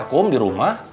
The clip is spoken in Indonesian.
besar kum di rumah